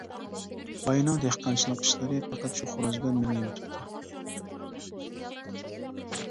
باينىڭ دېھقانچىلىق ئىشلىرى پەقەت شۇ خوراز بىلەن مېڭىۋېتىپتۇ.